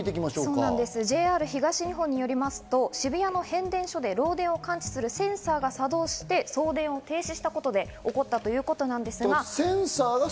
ＪＲ東日本によりますと渋谷の変電所で漏電を感知するセンサーが作動して、送電を停止したことで起こったということです。